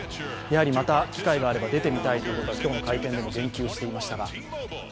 また機会があれば出てみたいと今日の会見でも言及していましたが。